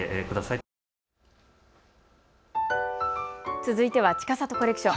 続いてはちかさとコレクション。